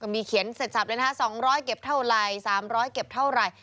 มีเขียนเสร็จสับเลยนะคะ๒๐๐เก็บเท่าไหร่๓๐๐เก็บเท่าไหร่